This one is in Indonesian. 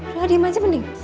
udah diam aja mending